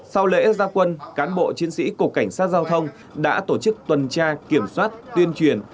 sau lễ gia quân cán bộ chiến sĩ cục cảnh sát giao thông đã tổ chức tuần tra kiểm soát tuyên truyền